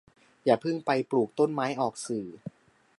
อย่าเพิ่งไปปลูกต้นไม้ออกสื่อ